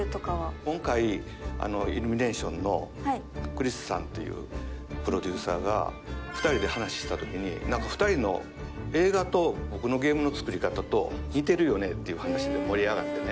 今回イルミネーションのクリスさんというプロデューサーが２人で話ししたときに２人の映画と僕のゲームの作り方と似てるよねっていう話で盛り上がってね。